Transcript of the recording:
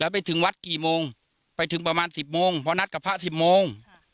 แล้วไปถึงวัดกี่โมงไปถึงประมาณสิบโมงเพราะนัดกับผ้าสิบโมงครับ